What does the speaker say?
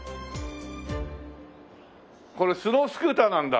これスノースクーターなんだ。